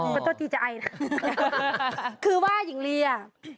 ต่างเหลือไอ้ซ้าย